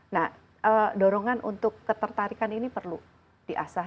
nah dorongan untuk ketertarikan ini perlu di asah